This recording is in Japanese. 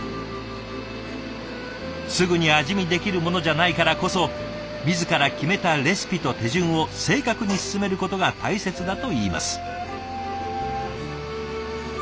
すぐに味見できるものじゃないからこそ自ら決めたレシピと手順を正確に進めることが大切だといいます。